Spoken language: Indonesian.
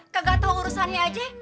kagak tau urusannya aja ya